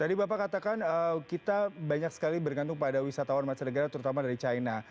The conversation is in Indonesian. tadi bapak katakan kita banyak sekali bergantung pada wisatawan mancanegara terutama dari china